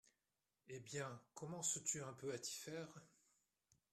Eh bien, commences-tu un peu à t’y faire ?…